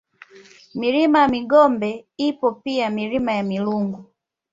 Mlima Migombe ipo pia Milima ya Milungu